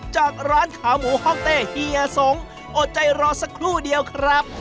จากร้านขาหมูห้องเต้เฮียสงอดใจรอสักครู่เดียวครับ